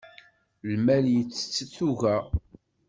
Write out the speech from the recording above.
Lmal yettett tuga.